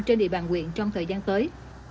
trên địa bàn nguyện trong thời gian tới